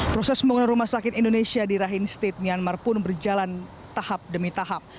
proses pembangunan rumah sakit indonesia di rahim state myanmar pun berjalan tahap demi tahap